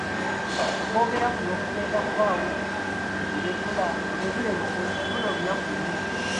Okwogera kuno kugenda kubaawo ng'ebula olunaku lumu